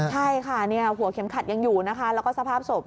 ใช่ค่ะหัวเข็มขัดยังอยู่นะคะแล้วก็สภาพศพ